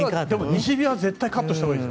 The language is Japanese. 西日は絶対カットしたほうがいい。